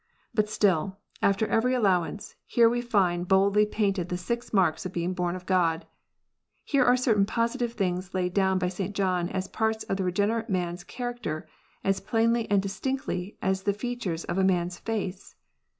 But still, after every allowance, here we find boldly painted the six marks of being bom of God. Here are certain positive things laid down by St. John as parts of the regenerate man s character, as plainly and distinctly as the features of a man s face.